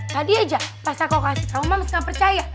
tadi aja pas aku kasih tau moms gak percaya